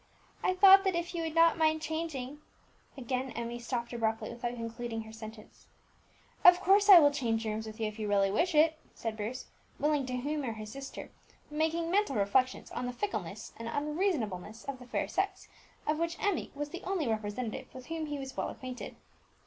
"I thought that if you would not mind changing " Again Emmie stopped abruptly, without concluding her sentence. "Of course I will change rooms with you if you really wish it," said Bruce, willing to humour his sister, but making mental reflections on the fickleness and unreasonableness of the fair sex, of which Emmie was the only representative with whom he was well acquainted.